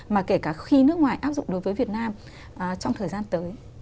mà kể cả khi nước ngoài áp dụng đối với việt nam trong thời gian tới